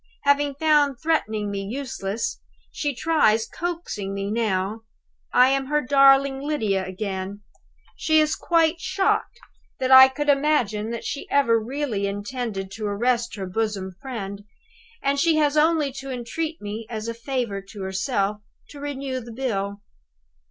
Having found threatening me useless, she tries coaxing me now. I am her darling Lydia again! She is quite shocked that I could imagine she ever really intended to arrest her bosom friend; and she has only to entreat me, as a favor to herself, to renew the bill!